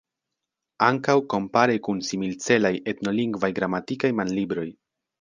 Ankaŭ kompare kun similcelaj etnolingvaj gramatikaj manlibroj.